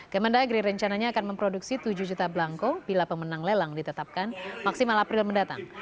kemendagri rencananya akan memproduksi tujuh juta belangko bila pemenang lelang ditetapkan maksimal april mendatang